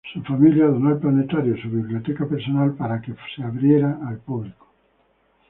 Su familia donó al Planetario su biblioteca personal para que sea abierta al público.